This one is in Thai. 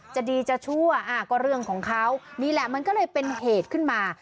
จะดีจะชั่วก็เรื่องของเขานี่แหละมันก็เลยเป็นเหตุขึ้นมา